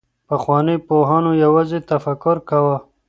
پخوانيو پوهانو يوازي تفکر کاوه.